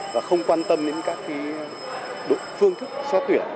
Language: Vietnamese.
và không quan tâm đến các phương thức xóa tuyển